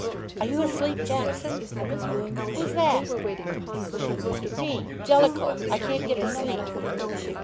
"Are you asleep, Jackson?" "Who's that?" "Me Jellicoe. I can't get to sleep."